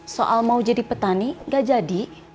soal mau jadi petani gak jadi